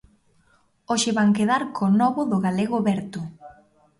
Hoxe van quedar co novo do galego Verto.